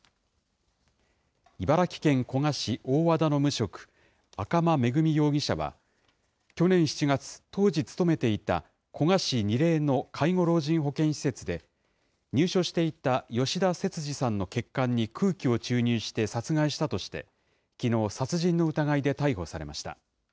茨城県古河市大和田の無職、赤間恵美容疑者は、去年７月、当時勤めていた古河市仁連の介護老人保健施設で入所していた吉田節次さんの血管に空気を注入して殺害したとして、きのう、殺人の疑いで逮捕されました。